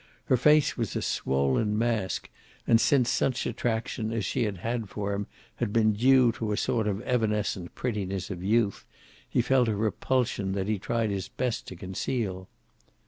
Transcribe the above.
Her face was a swollen mask, and since such attraction as she had had for him had been due to a sort of evanescent prettiness of youth, he felt a repulsion that he tried his best to conceal.